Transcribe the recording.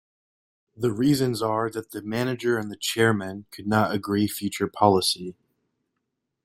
The reasons are that the manager and the chairman could not agree future policy.